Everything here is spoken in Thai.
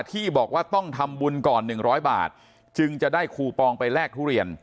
ที่บอกว่าต้องทำบุญก่อน๑๐๐บาทจึงจะได้คูปองไปแลกทุเรียน